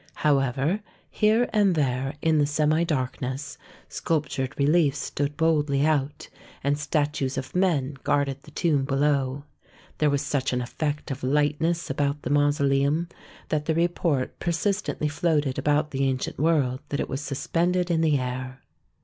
However, here and there in the semi darkness sculptured reliefs stood boldly out, and statues of men guarded the tomb below. There was such an effect of lightness about the mauso leum that the report persistently floated about the ancient world that it was suspended in the air.